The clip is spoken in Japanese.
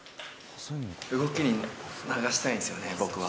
動きに流したいんですよね、僕は。